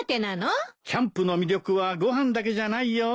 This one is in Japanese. キャンプの魅力はご飯だけじゃないよ。